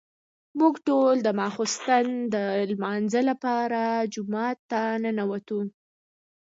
موږ ټول د ماسخوتن د لمانځه لپاره جومات ته ننوتو.